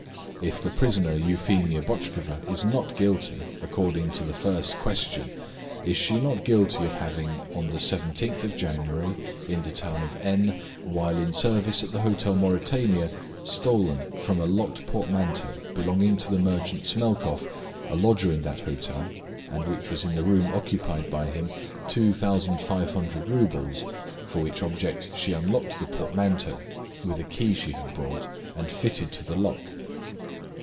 If the prisoner Euphemia Botchkova is not guilty according to the first question, is she not guilty of having, on the 17th January, in the town of N , while in service at the hotel Mauritania, stolen from a locked portmanteau, belonging to the merchant Smelkoff, a lodger in that hotel, and which was in the room occupied by him, 2,500 roubles, for which object she unlocked the portmanteau with a key she brought and fitted to the lock?